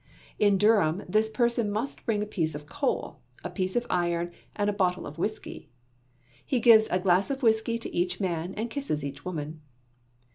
In Durham, this person must bring a piece of coal, a piece of iron, and a bottle of whiskey. He gives a glass of whiskey to each man and kisses each woman.